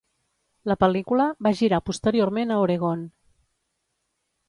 La pel·lícula va girar posteriorment a Oregon.